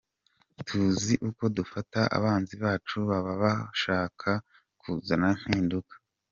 tuzi uko dufata abanzi bacu baba bashaka kuzana impinduka.